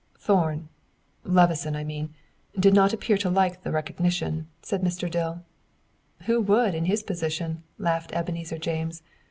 "Thorn Levison, I mean did not appear to like the recognition," said Mr. Dill. "Who would, in his position?" laughed Ebenezer James.